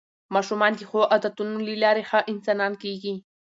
ماشومان د ښو عادتونو له لارې ښه انسانان کېږي